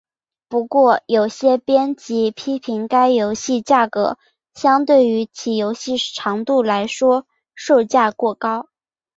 不过有些编辑批评该游戏价格相对于其游戏长度来说售价过高。